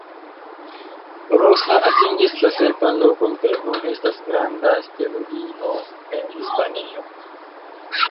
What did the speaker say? Rosa atingis la sepan lokon kaj nun estas granda stelulino en Hispanio.